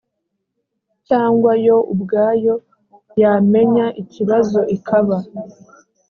cyangwa yo ubwayo yamenya ikibazo ikaba